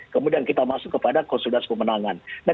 kemudian kita masuk kepada konsolidasi pemenangan